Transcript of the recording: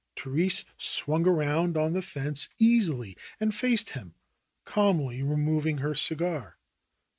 Therese swung around on the fence easily and faced him, calmly removing her cigar.